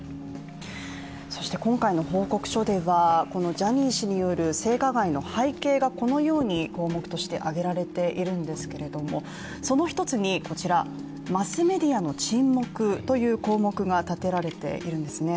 そして今回の報告書ではジャニー氏による性加害の背景がこのように項目として挙げられているんですけれども、その一つに、マスメディアの沈黙という項目が立てられているんですね。